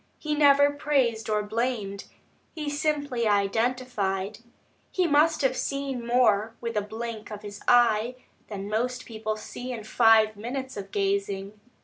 He never praised or blamed, he simply identified. He must have seen more with a blink of his eye, than most people see in five minutes of gazing.